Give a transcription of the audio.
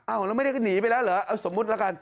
แล้วไม่ได้หนีไปแล้วเหรอเอาสมมุติละกัน